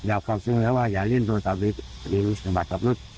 อยากฝากเตือนคนอื่นว่าอย่าเล่นโทรศัพท์ในสถาบัติขับรถ